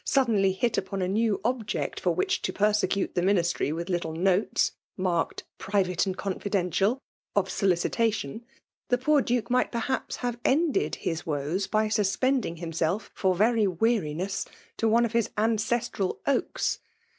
suddenly hit upon a new object for which to persecute the ministry mth little notes (marked *' private and confidential") of solicitation, the poor Duke might perhaps have ended his woes by suspending himself, for very weariness, to one of hiB ancestral oaks.